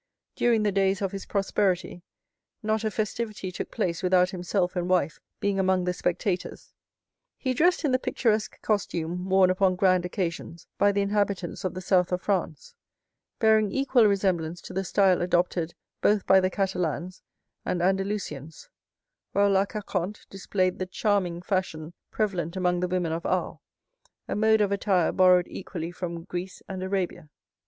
During the days of his prosperity, not a festivity took place without himself and wife being among the spectators. He dressed in the picturesque costume worn upon grand occasions by the inhabitants of the south of France, bearing equal resemblance to the style adopted both by the Catalans and Andalusians; while La Carconte displayed the charming fashion prevalent among the women of Arles, a mode of attire borrowed equally from Greece and Arabia.